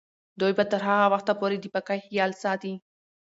دوی به تر هغه وخته پورې د پاکۍ خیال ساتي.